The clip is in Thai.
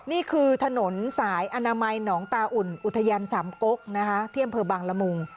นี่คือถนนสายอนามัยหนองตาอุ่นอุทยานสามกกนะคะที่อำเภอบางละมุง